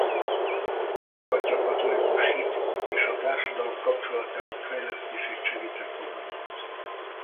Támogatja a katolikus hit és a társadalom kapcsolatának fejlesztését segítő programokat.